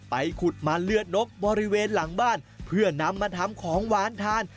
ไปขุดมาเลือดนกบริเวณหลังบ้านเพื่อนำมาทำของหวานทาน